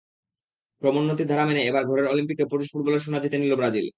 ক্রমোন্নতির ধারা মেনে এবার ঘরের অলিম্পিকে পুরুষ ফুটবলের সোনা জিতে নিল ব্রাজিল।